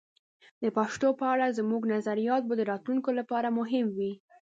د پښتو په اړه زموږ نظریات به د راتلونکي لپاره مهم وي.